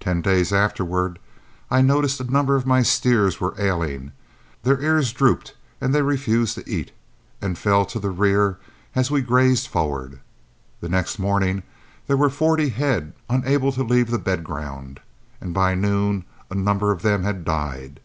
Ten days afterward I noticed a number of my steers were ailing; their ears drooped, they refused to eat, and fell to the rear as we grazed forward. The next morning there were forty head unable to leave the bed ground, and by noon a number of them had died.